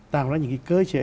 tạo ra những cái cơ chế